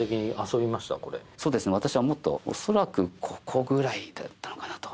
私はもっとおそらくここぐらいだったのかなと。